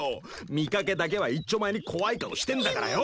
見かけだけはいっちょ前に怖い顔してんだからよ。